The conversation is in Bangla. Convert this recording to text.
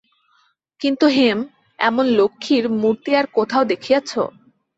কিন্তু হেম, এমন লক্ষ্মীর মূর্তি আর কোথাও দেখিয়াছ?